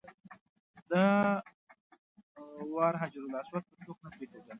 دا وار حجرالاسود ته څوک نه پرېښودل.